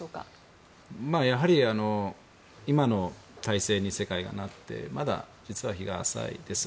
世界が今の体制になってまだ実は日が浅いです。